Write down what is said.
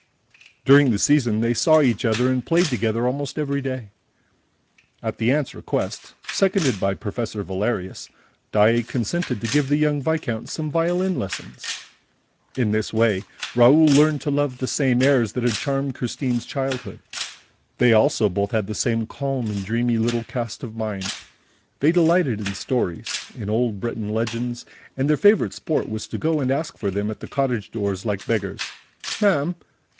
During the season, they saw each other and played together almost every day. At the aunt's request, seconded by Professor Valerius, Daae consented to give the young viscount some violin lessons. In this way, Raoul learned to love the same airs that had charmed Christine's childhood. They also both had the same calm and dreamy little cast of mind. They delighted in stories, in old Breton legends; and their favorite sport was to go and ask for them at the cottage doors, like beggars: "Ma'am